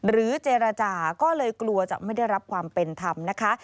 เจรจาก็เลยกลัวจะไม่ได้รับความเป็นธรรมนะคะ